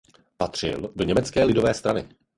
Patřil do Německé lidové strany.